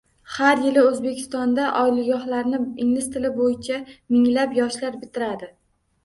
Har yili O‘zbekistondagi oliygohlarni ingliz tili bo‘yicha minglab yoshlar bitiradi.